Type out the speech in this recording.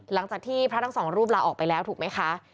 หลังจากที่พระทั้งสองรูปลาออกไปแล้วถูกไหมคะ